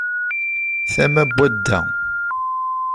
Tama n wadda.